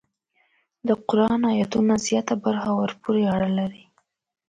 د قران ایتونو زیاته برخه ورپورې اړه لري.